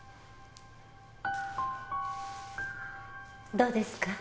どうですか？